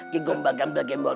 kegombal gambel gembok